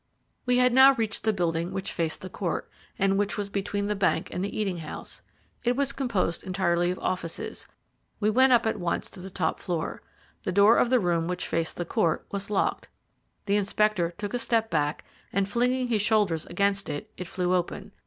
We had now reached the building which faced the court, and which was between the bank and eating house. It was composed entirely of offices we went up at once to the top floor. The door of the room which faced the court was locked. The inspector took a step back, and, flinging his shoulders against it, it flew open.